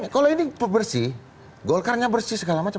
kalau ini bersih